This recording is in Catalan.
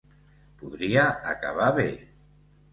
Podria acabar bé.